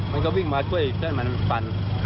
มันก็วิ่งมาด้วยเครื่องหมาปัน